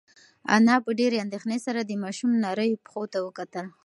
انا په ډېرې اندېښنې سره د ماشوم نریو پښو ته وکتل.